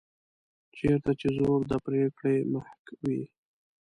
چېرته چې زور د پرېکړې محک وي.